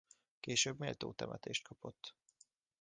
Később méltó temetést kapott.